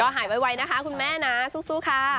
หายไวนะคะคุณแม่นะสู้ค่ะ